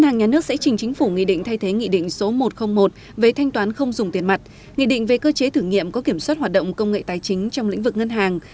ngân sách sẽ trình chính phủ nghị định thay thế nghị định số một trăm linh một về thanh toán không dùng tiền mặt nghị định về cơ chế thử nghiệm có kiểm soát hoạt động công nghệ tài chính trong lĩnh vực ngân hàng